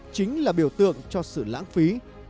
chính là biểu tượng cho sự lãng phí